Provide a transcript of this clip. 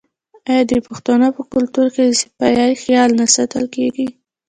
آیا د پښتنو په کلتور کې د صفايي خیال نه ساتل کیږي؟